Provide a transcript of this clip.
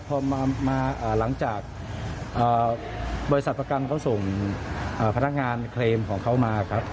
พอมาหลังจากบริษัทประกันเขาส่งพนักงานเคลมของเขามาครับ